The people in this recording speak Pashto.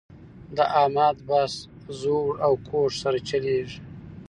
د احمد بس روز او ګوز سره چلېږي.